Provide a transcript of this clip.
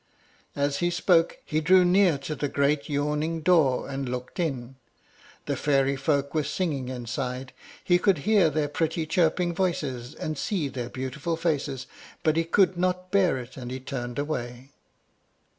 As he spoke, he drew near to the great yawning door, and looked in. The fairy folk were singing inside; he could hear their pretty chirping voices, and see their beautiful faces, but he could not bear it, and he turned away.